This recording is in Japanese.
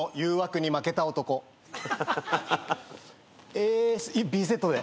ＡＢセットで。